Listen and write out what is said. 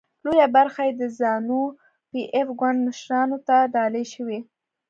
لویه برخه یې د زانو پي ایف ګوند مشرانو ته ډالۍ شوې.